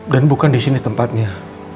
dan bukan di sini tempatnya